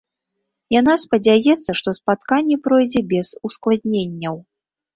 Яна спадзяецца, што спатканне пройдзе без ускладненняў.